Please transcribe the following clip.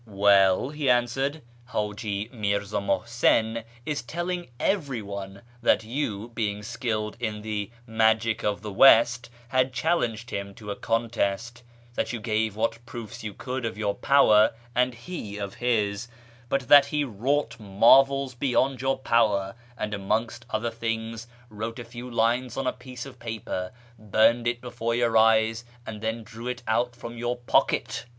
" Well," he answered, " Hiiji Mi'rza Mushin is telling every one that you, being skilled in the Magic of the West, had challenged him to a contest; that you gave what proofs you could of your power, and he of his ; but that he wrought marvels beyond your power, and, amongst other things, wrote a few lines on a piece of paper, burned it before your eyes, and then drew it out from your pocket.